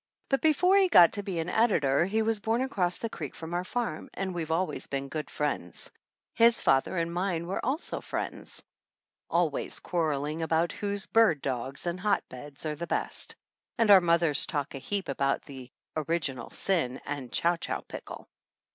But before he got to be an editor he was born across the creek from our farm, and we've al ways been great friends. His father and mine are also friends, always quarreling about whose bird dogs and hotbeds are the best ; and our mothers talk a heap about "original sin" and chow chow pickle.